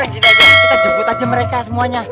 kita jemput aja mereka semuanya